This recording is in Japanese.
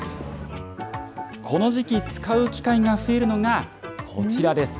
この時期、使う機会が増えるのがこちらです。